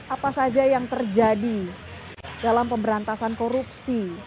apa saja yang terjadi dalam pemberantasan korupsi